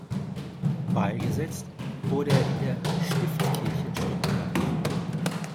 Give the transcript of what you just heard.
Beigesetzt wurde er in der Stiftskirche in Stuttgart.